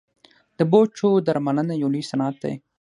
د بوټو درملنه یو لوی صنعت دی